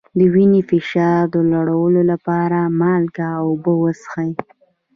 د وینې فشار لوړولو لپاره مالګه او اوبه وڅښئ